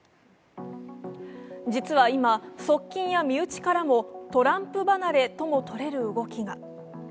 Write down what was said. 実は今、側近や身内からもトランプ離れともとれる動きが。